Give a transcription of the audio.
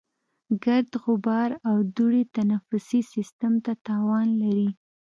ګرد، غبار او دوړې تنفسي سیستم ته تاوان لري.